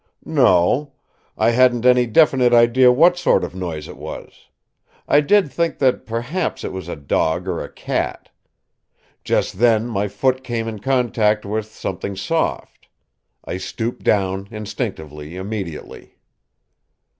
"No. I hadn't any definite idea what sort of noise it was. I did think that, perhaps, it was a dog or a cat. Just then my foot came in contact with something soft. I stooped down instinctively, immediately.